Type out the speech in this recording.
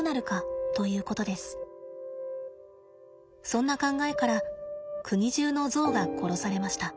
そんな考えから国中のゾウが殺されました。